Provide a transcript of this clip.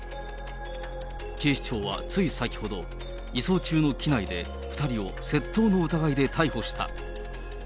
警視庁はつい先ほど、移送中の機内で２人を窃盗の疑いで逮捕した。